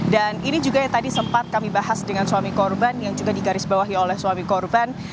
dan ini juga tadi sempat kami bahas dengan suami korban yang juga digarisbawahi oleh suami korban